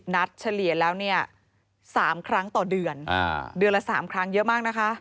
๑๗๐นัตรเปอร์เชลียรแล้ว๓ครั้งต่อเดือนเดือนละ๓ครั้งเยอะมาก